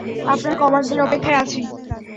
আপনার কমান্ডের অপেক্ষায় আছি।